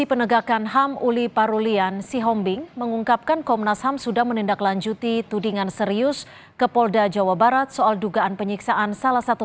penggeledahan ini dilakukan sekitar pukul empat belas waktu indonesia barat